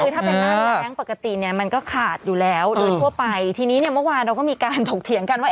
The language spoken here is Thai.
คือถ้าเป็นหน้าแรงปกติเนี่ยมันก็ขาดอยู่แล้วโดยทั่วไปทีนี้เนี่ยเมื่อวานเราก็มีการถกเถียงกันว่า